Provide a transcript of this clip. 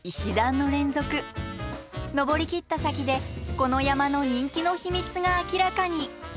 登りきった先でこの山の人気の秘密が明らかに。